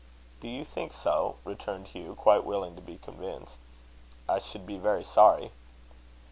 "Do you think so?" returned Hugh quite willing to be convinced. "I should be very sorry."